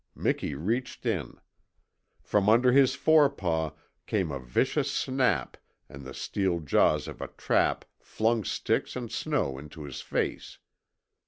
Miki reached in. From under his fore paw came a vicious snap and the steel jaws of a trap flung sticks and snow into his face.